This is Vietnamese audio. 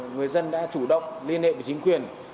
người dân đã chủ động liên hệ với chính quyền